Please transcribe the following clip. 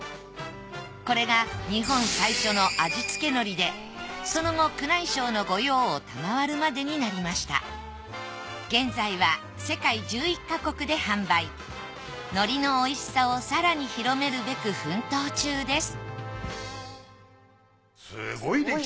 これがその後宮内省の御用を賜るまでになりました海苔のおいしさを更に広めるべく奮闘中です